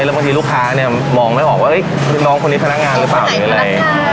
แล้วบางทีลูกค้าเนี่ยมองไม่ออกว่าน้องคนนี้พนักงานหรือเปล่าหรืออะไร